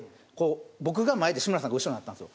僕が前で志村さんが後ろになったんですよ。